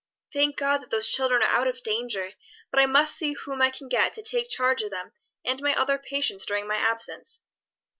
Thank God that those children are out of danger! But I must see whom I can get to take charge of them and my other patients during my absence."